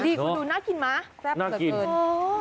ดูน่ากินไหมน่ากิน